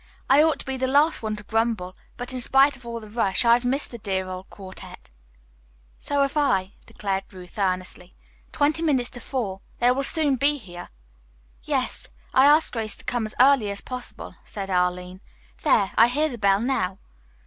"I ought to be the last one to grumble. But in spite of all the rush, I have missed the dear old quartette." "So have I," declared Ruth earnestly. "Twenty minutes to four. They will soon be here." "Yes. I asked Grace to come as early as possible," said Arline. "There, I hear the bell now."